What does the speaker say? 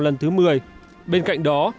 lần thứ một mươi bên cạnh đó